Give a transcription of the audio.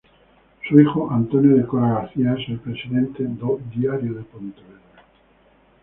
Su hijo, Antonio de Cora García, es el presidente do Diario de Pontevedra.